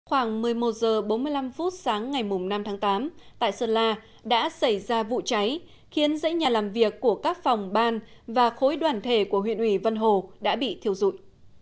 khoảng một mươi một h bốn mươi năm sáng ngày năm tháng tám tại sơn la đã xảy ra vụ cháy khiến dãy nhà làm việc của các phòng ban và khối đoàn thể của huyện ủy vân hồ đã bị thiêu rụi